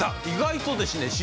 意外とですね